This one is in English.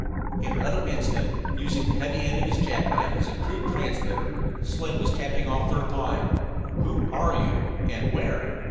In another instant, using the heavy end of his jackknife as a crude transmitter, Slim was tapping off the reply: "Who are you and where?"